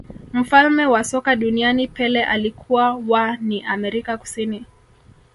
mfalme wa soka duniani pele alikuwa wa ni amerika kusini